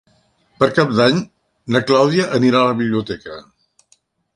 Per Cap d'Any na Clàudia anirà a la biblioteca.